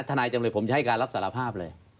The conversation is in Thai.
นายจำเลยผมจะให้การรับสารภาพเลย